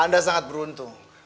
anda sangat beruntung